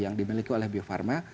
yang dimiliki oleh bio farma